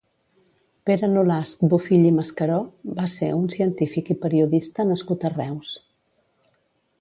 Pere Nolasc Bofill i Mascaró va ser un científic i periodista nascut a Reus.